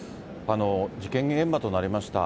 事件現場となりました